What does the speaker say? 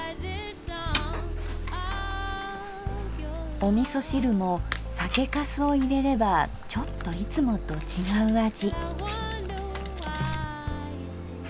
おみそ汁も酒かすを入れればちょっといつもと違う味。